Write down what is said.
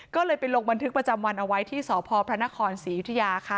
ก็เลยไปลงบันทึกประจำวันเอาไว้ที่สพพระนครศรียุธยาค่ะ